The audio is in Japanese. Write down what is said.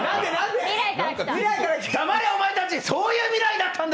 黙れおまえたち、そういう未来だったんだ！